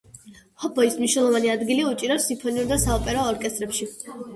ჰობოის მნიშვნელოვანი ადგილი უჭირავს სიმფონიურ და საოპერო ორკესტრებში.